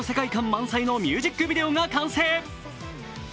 満載のミュージックビデオが完成。